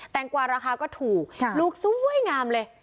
งกว่าราคาก็ถูกลูกสวยงามเลย